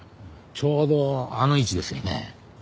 ちょうどあの位置ですよね。